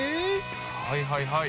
はいはいはい。